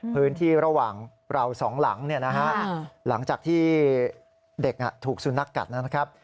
พื้นที่ระหว่างเราสองหลังหลังจากที่เด็กถูกสุนัขกัดนะครับ